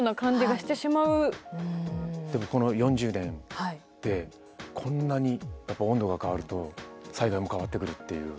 でもこの４０年でこんなにやっぱ温度が変わると災害も変わってくるっていう。